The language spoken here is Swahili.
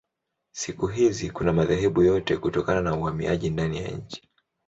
Siku hizi kuna madhehebu yote kutokana na uhamiaji ndani ya nchi.